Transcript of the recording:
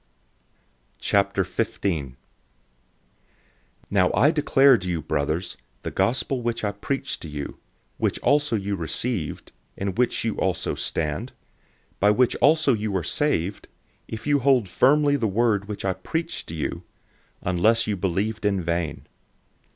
015:001 Now I declare to you, brothers, the Good News which I preached to you, which also you received, in which you also stand, 015:002 by which also you are saved, if you hold firmly the word which I preached to you unless you believed in vain.